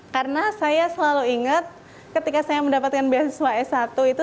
karena saya selalu ingat ketika saya mendapatkan beasiswa s satu itu